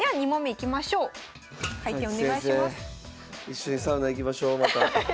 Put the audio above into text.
一緒にサウナ行きましょうまた。